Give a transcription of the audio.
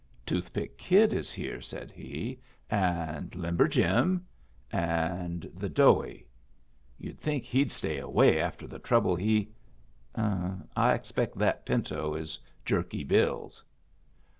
"Toothpick Kid is here," said he, "and Limber Jim, and the Doughie. You'd think he'd stay away after the trouble he I expect that pinto is Jerky Bill's."